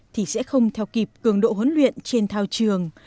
thì sẽ không theo kịp cường độ huấn luyện trên thao trường